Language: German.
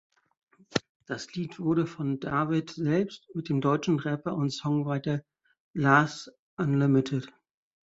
Das Lied wurde von David selbst mit dem deutschen Rapper und Songwriter Laas Unltd.